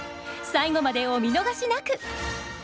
最後までお見逃しなく！